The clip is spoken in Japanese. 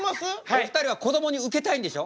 お二人はこどもにウケたいんでしょ？